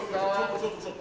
ちょっとちょっと。